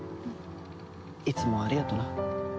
いつもありがとな。